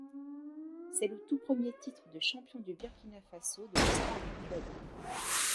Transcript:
C'est le tout premier titre de champion du Burkina Faso de l'histoire du club.